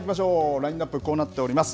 ラインナップ、こうなっております。